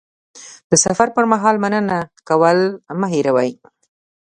د سفر پر مهال مننه کول مه هېروه.